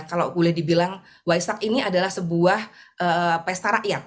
kalau boleh dibilang waisak ini adalah sebuah pesta rakyat